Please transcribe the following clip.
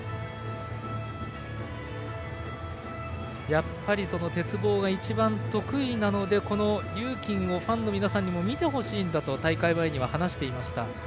やっぱり鉄棒が一番得意なのでこのリューキンをファンの皆さんにも見てほしいんだと大会前には話していました。